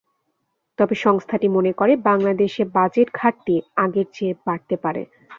তবে সংস্থাটি মনে করে, বাংলাদেশে বাজেট ঘাটতি আগের চেয়ে বাড়তে পারে।